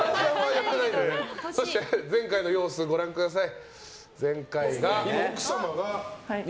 そして、前回の様子ご覧ください。